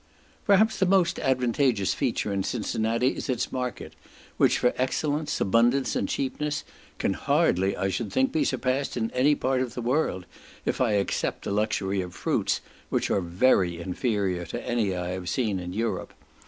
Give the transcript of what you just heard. Perhaps the most advantageous feature in Cincinnati is its market, which, for excellence, abundance, and cheapness, can hardly, I should think, be surpassed in any part of the world, if I except the luxury of fruits, which are very inferior to any I have seen in Europe.